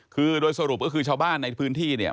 คือโดยสรุปก็คือชาวบ้านในพื้นที่เนี่ย